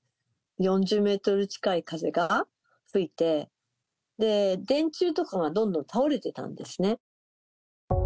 ４０メートル近い風が吹いて、電柱とかがどんどん倒れてたんですね。